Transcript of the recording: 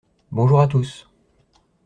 Bonjour à tous.